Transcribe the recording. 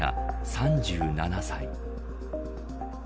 ３７歳。